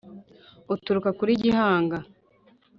Uturuka kuri Gihanga